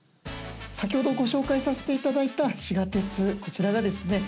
先ほどご紹介させていただいた「しが鉄」、こちらがですね